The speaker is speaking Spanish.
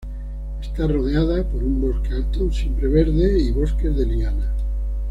Está rodeada por un bosque alto siempreverde y bosques de lianas.